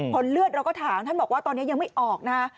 เลือดเราก็ถามท่านบอกว่าตอนนี้ยังไม่ออกนะฮะ